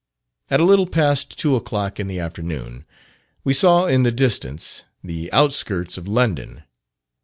At a little past two o'clock in the afternoon, we saw in the distance the out skirts of London.